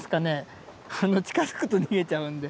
近づくと逃げちゃうんで。